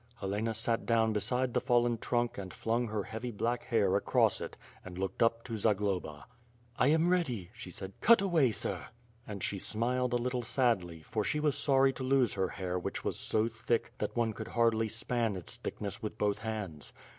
Helena sat down be side the fallen trunk and flung her heavy black hair acrosss it and looked up to Zagloba. "I am ready," she said, "cut away, sir!" And she smiled a little sadly, for she was sorry to lose her hair which was so thick that one could hardly span its thick ness with both hands.